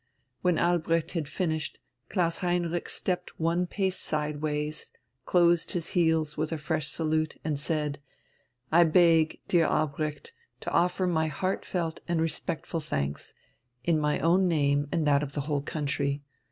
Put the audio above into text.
When Albrecht had finished, Klaus Heinrich stepped one pace sideways, closed his heels with a fresh salute, and said: "I beg, dear Albrecht, to offer my heart felt and respectful thanks, in my own name and that of the whole country.